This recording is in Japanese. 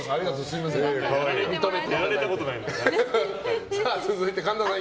すみません。